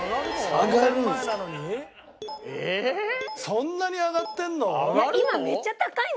そんなに上がってるの？